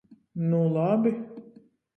Nu, labi!